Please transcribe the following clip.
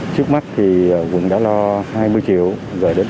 trước mắt thì quận đã lo hai mươi triệu gửi đến gia đình